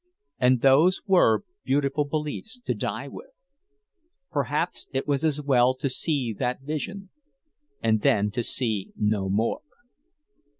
And those were beautiful beliefs to die with. Perhaps it was as well to see that vision, and then to see no more.